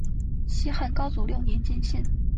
西汉高祖六年建县。